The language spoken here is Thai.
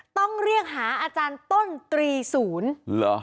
ต้องเรียกหาอาจารย์ต้นตรีศูนย์เหรอ